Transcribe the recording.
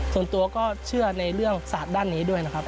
ส่วนตัวก็เชื่อในเรื่องศาสตร์ด้านนี้ด้วยนะครับ